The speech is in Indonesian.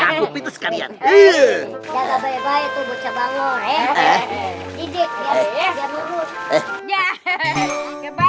ya nggak banyak banyak tuh bocah bango